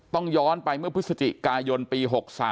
ต้องย้อนไปเมื่อพฤศจิกายนปี๖๓